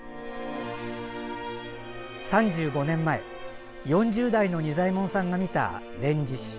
３５年前、４０代の仁左衛門さんが見た「連獅子」。